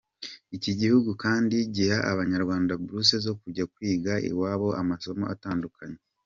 Iki gihugu kandi giha Abanyarwanda buruse zo kujya kwiga iwabo amasomo atandukanye.